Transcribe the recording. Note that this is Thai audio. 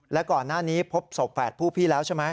และก่อนหน้านี้พบศพแฝดผู้พี่แล้วใช่ไหม